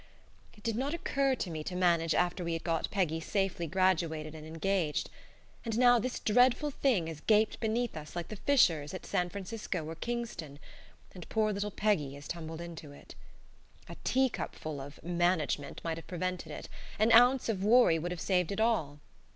It did not occur to me to manage after we had got Peggy safely graduated and engaged, and now this dreadful thing has gaped beneath us like the fissures at San Francisco or Kingston, and poor little Peggy has tumbled into it. A teacupful of "management" might have prevented it; an ounce of worry would have saved it all.